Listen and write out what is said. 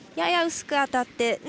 やや薄く当たって。